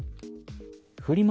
フリマ